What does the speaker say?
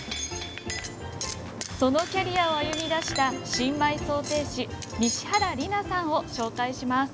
そのキャリアを歩み出した新米装蹄師、西原梨奈さんを紹介します。